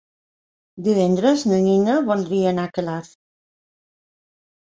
Divendres na Nina voldria anar a Calaf.